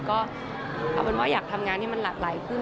ก็เอาเป็นว่าอยากทำงานให้มันหลากหลายขึ้น